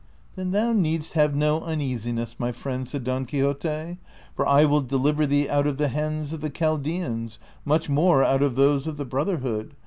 '' Then thou needst have no uneasiness, my friend," said Don .Quixote, " for I will deliver thee out of the hands of the Chaldeans^ much more out of those of the Brotherhood.